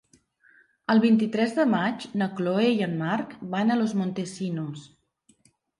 El vint-i-tres de maig na Chloé i en Marc van a Los Montesinos.